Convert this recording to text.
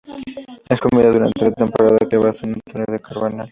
Es comida durante la temporada que va de San Antonio al Carnaval.